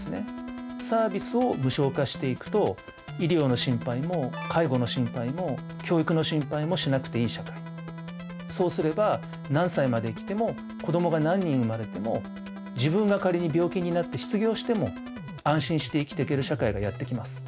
サービスを無償化していくと医療の心配も介護の心配も教育の心配もしなくていい社会そうすれば何歳まで生きても子どもが何人生まれても自分が仮に病気になって失業しても安心して生きていける社会がやって来ます。